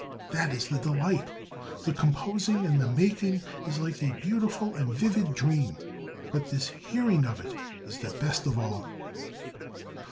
That is the delight! The composing and the making is like a beautiful and vivid dream; but this hearing of it is the best of all."